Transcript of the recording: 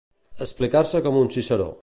Explicar-se com un Ciceró.